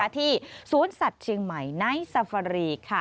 ที่สวนสัตว์เชียงใหม่ไนท์ซาฟารี